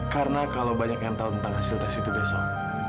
karena kalau banyak yang tau tentang hasil tes itu besok